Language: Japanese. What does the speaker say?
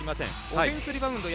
オフェンスリバウンド